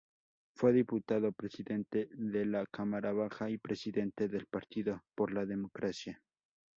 Fue diputado, presidente de la cámara baja y presidente del Partido por la Democracia.